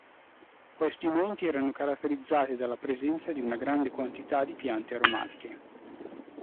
Questi monti erano caratterizzati dalla presenza di una grande quantità di piante aromatiche.